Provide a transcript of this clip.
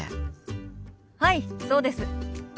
はいそうです。